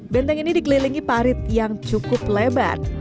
benteng ini dikelilingi parit yang cukup lebar